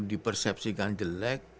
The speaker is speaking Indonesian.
di persepsikan jelek